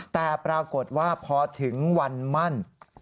แต่ปรากฏว่าพอถึงวันมั่น